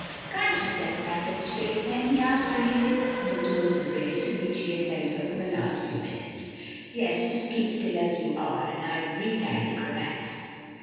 "Can't you set matters straight, then?" he asked, releasing her from the close embrace in which he had held her for the last few minutes. "Yes; just keep still as you are, and I'll re tie the cravat."